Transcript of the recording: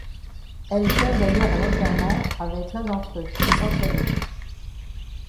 Elle vient d'ailleurs à l'enterrement avec l'un d'entre eux, Santiago.